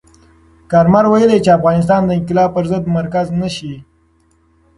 کارمل ویلي، افغانستان د انقلاب پر ضد مرکز نه شي.